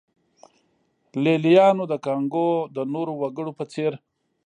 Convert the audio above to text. لېلیانو د کانګو د نورو وګړو په څېر.